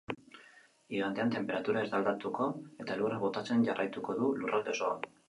Igandean, tenperatura ez da aldatuko eta elurra botatzen jarraituko du lurralde osoan.